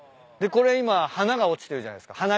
でこれ今花が落ちてるじゃないっすか